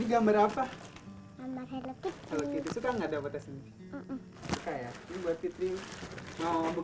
hai cantik banget tuh